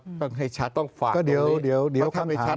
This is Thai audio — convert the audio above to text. ต้องให้ชัดก็เดี๋ยวคำถามต้องฝากตรงนี้เพราะถ้าไม่ชัด